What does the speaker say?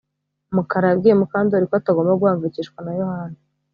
Mukara yabwiye Mukandoli ko atagomba guhangayikishwa na Yohana